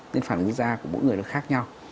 nên phản ứng da của mỗi người nó khác nhau